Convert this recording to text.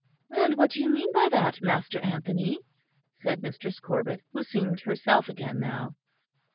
"And what do you mean by that, Master Anthony?" said Mistress Corbet, who seemed herself again now.